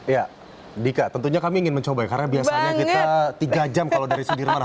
ya dika tentunya kami ingin mencoba ya karena biasanya kita tiga jam kalau dari sudirman